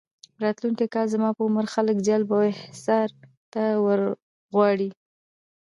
راتلونکي کال زما په عمر خلک جلب او احضار ته ورغواړي.